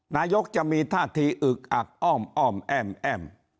นายกจะมีท่าทีอึกอักอ้อมอ้อมแอ้ม